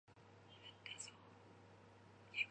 其北起荆棘岩礁间的海峡。